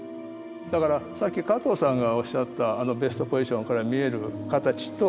だからさっき加藤さんがおっしゃったベストポジションから見える形と。